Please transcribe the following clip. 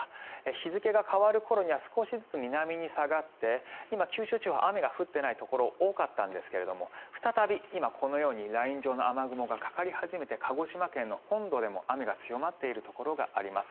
日付が変わる頃には少しずつ南に下がって今、九州地方雨が降っていないところが多かったんですが再び今、このようにライン状の雨雲がかかり始めて鹿児島県の本土でも雨が強まっているところがあります。